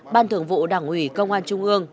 ban thường vụ đảng ủy công an trung ương